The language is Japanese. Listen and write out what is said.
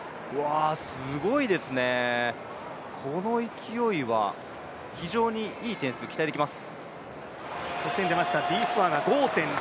すごいですね、この勢いは非常にいい点数が期待できます。